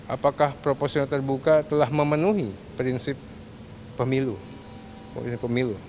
apakah proposional terbuka telah memenuhi prinsip pemilu